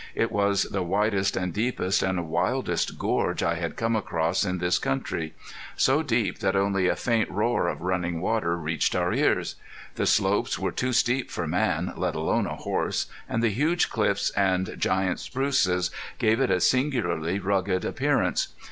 It was the widest and deepest and wildest gorge I had come across in this country. So deep that only a faint roar of running water reached our ears! The slopes were too steep for man, let alone a horse; and the huge cliffs and giant spruces gave it a singularly rugged appearance.